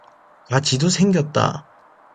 같이두 생겼다.